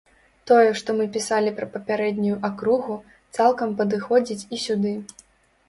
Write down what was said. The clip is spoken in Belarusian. Тое, што мы пісалі пра папярэднюю акругу, цалкам падыходзіць і сюды.